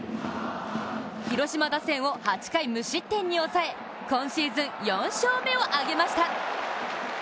広島打線を８回無失点に抑え、今シーズン４勝目を挙げました。